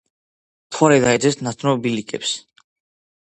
მთვარე დაეძებს ნაცნობ ბილიკებს.